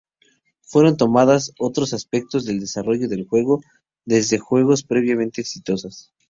Fueron tomadas otros aspectos del desarrollo del juego desde juegos previamente exitosas.